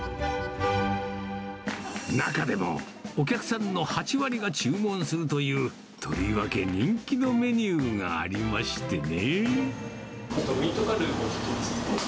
中でも、お客さんの８割が注文するという、とりわけ人気のメニューがありましてね。